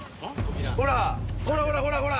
ほらほらほらほら。